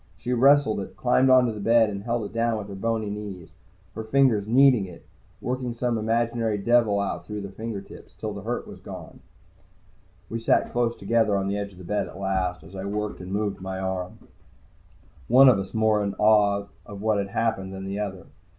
She wrestled it, climbed onto the bed, and held it down with her boney knees. Her fingers kneaded it, working some imaginary devil out through the fingertips, till the hurt was gone. We sat close together on the edge of the bed at last, as I worked and moved my arm, one of us more in awe of what had happened than the other.